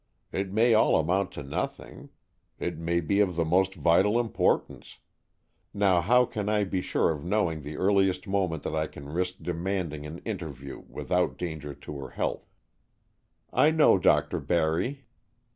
It may all amount to nothing. It may be of the most vital importance. Now how can I be sure of knowing the earliest moment that I can risk demanding an interview without danger to her health?" "I know Dr. Barry."